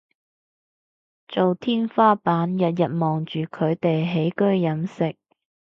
做天花板日日望住佢哋起居飲食